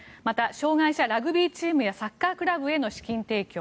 障害者ラグビーチームやサッカークラブへの資金提供